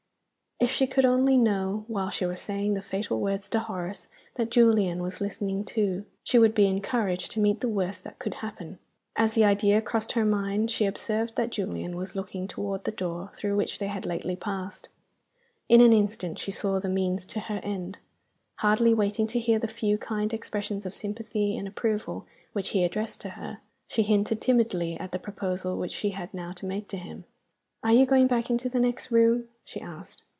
If she could only know, while she was saying the fatal words to Horace, that Julian was listening too, she would be encouraged to meet the worst that could happen! As the idea crossed her mind, she observed that Julian was looking toward the door through which they had lately passed. In an instant she saw the means to her end. Hardly waiting to hear the few kind expressions of sympathy and approval which he addressed to her, she hinted timidly at the proposal which she had now to make to him. "Are you going back into the next room?" she asked.